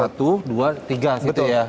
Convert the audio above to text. satu dua tiga gitu ya